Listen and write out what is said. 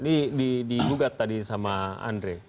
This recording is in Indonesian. ini digugat tadi sama andre